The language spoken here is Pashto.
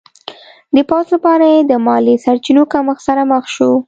د پوځ لپاره یې د مالي سرچینو کمښت سره مخ شو.